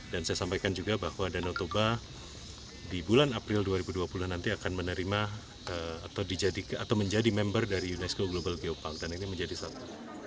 dan saya sampaikan juga bahwa danau toba di bulan april dua ribu dua puluh nanti akan menerima atau menjadi member dari unesco global geopark dan ini menjadi satu